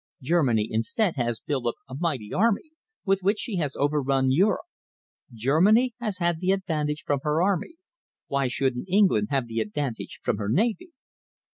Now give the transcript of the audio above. Germany instead has built up a mighty army, with which she has overrun Europe. Germany has had the advantage from her army. Why shouldn't England have the advantage from her navy?"